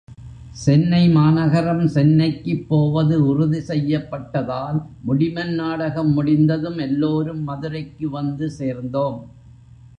சென்னை மாநகரம் சென்னைக்குப் போவது உறுதி செய்யப்பட்டதால் முடிமன் நாடகம் முடிந்ததும் எல்லோரும் மதுரைக்கு வந்து சேர்ந்தோம்.